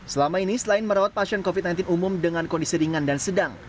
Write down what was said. selama ini selain merawat pasien covid sembilan belas umum dengan kondisi ringan dan sedang